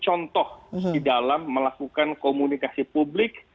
contoh di dalam melakukan komunikasi publik